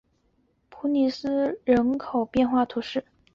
普雷尼斯人口变化图示